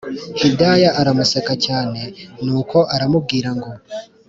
hidaya aramuseka cyane nuko aramubwira ngo